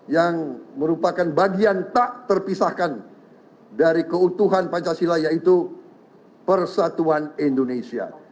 yang merupakan bagian tak terpisahkan dari keutuhan pancasila yaitu persatuan indonesia